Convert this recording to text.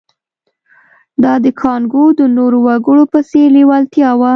دا د کانګو د نورو وګړو په څېر لېوالتیا وه